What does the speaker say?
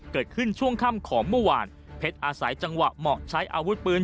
เกิดขึ้นช่วงค่ำของเมื่อวานเพชรอาศัยจังหวะเหมาะใช้อาวุธปืน